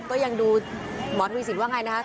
ก็ยังดูหมอทุนศิษย์ว่าไงนะครับ